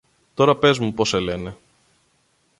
Τώρα πες μου πώς σε λένε.